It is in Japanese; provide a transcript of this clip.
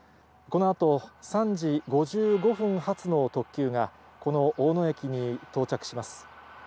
このあと、３時５５分発の特急が、この大野駅に到着します。